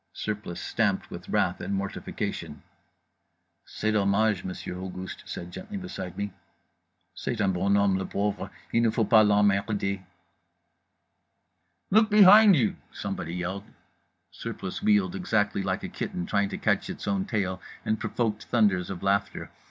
Surplice stamped with wrath and mortification. "C'est dommage," Monsieur Auguste said gently beside me. "C'est un bon homme, le pauvre, il ne faut pas l'em merd er." "Look behind you!" somebody yelled. Surplice wheeled, exactly like a kitten trying to catch its own tail, and provoked thunders of laughter.